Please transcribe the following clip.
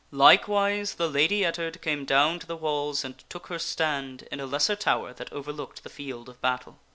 Likewise the Lady Ettard came down to the walls and took her stand in a lesser tower that overlooked the field of battle.